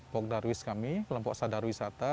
pogdarwis kami kelompok sadarwisata